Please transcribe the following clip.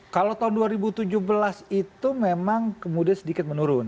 kalau tahun dua ribu tujuh belas itu memang kemudian sedikit menurun